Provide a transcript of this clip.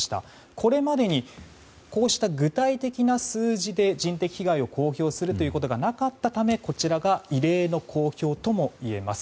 これまでにこうした具体的な数字で人的被害を公表するということがなかったためこちらが異例の公表ともいえます。